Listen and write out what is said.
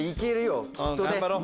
きっとね。